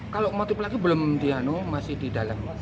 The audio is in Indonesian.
kalau motif pelaku belum dihanu masih di dalam